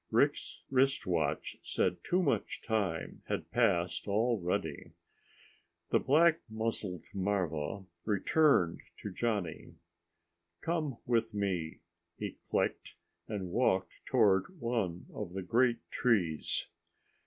Rick's wrist watch said too much time had passed already. The black muzzled marva returned to Johnny. "Come with me," he clicked, and walked toward one of the great trees.